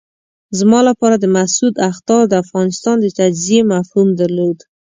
زما لپاره د مسعود اخطار د افغانستان د تجزیې مفهوم درلود.